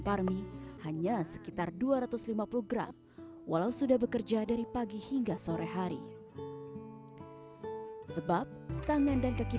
parmi hanya sekitar dua ratus lima puluh gram walau sudah bekerja dari pagi hingga sore hari sebab tangan dan kaki